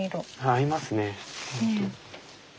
合いますね。